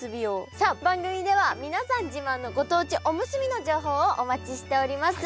さあ番組では皆さん自慢のご当地おむすびの情報をお待ちしております。